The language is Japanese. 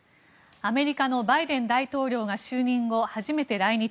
アメリカのバイデン大統領が就任後初めて来日。